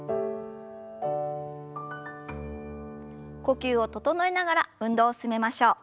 呼吸を整えながら運動を進めましょう。